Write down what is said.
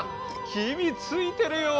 君ついてるよ！